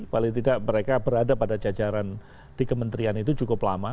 paling tidak mereka berada pada jajaran di kementerian itu cukup lama